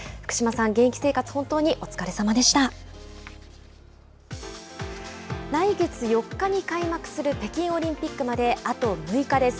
来月４日に開幕する北京オリンピックまであと６日。